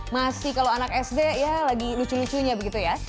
masih kalau anak sd ya lagi lucu lucunya begitu ya